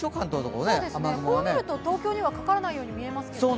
こう見ると、東京ではかからないように見えますけど。